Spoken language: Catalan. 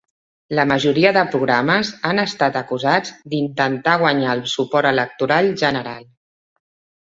La majoria de programes han estat acusats d"intentar guanyar el suport electoral general.